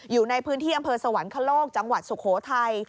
อยู่ในพื้นที่อำเภอสวรรคโลกจังหวัดสุโขทัย